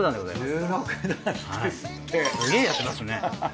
すげえやってますね。